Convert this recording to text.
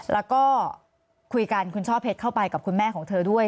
แล้วก็คุยกันคุณช่อเพชรเข้าไปกับคุณแม่ของเธอด้วย